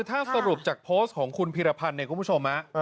ถ้าสรุปจากโพสต์ของคุณพีรพันธ์เนี่ยคุณผู้ชม